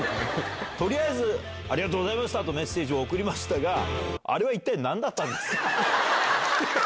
とりあえずありがとうございましたとメッセージを送りましたが、あれはいったいなんだったんですか？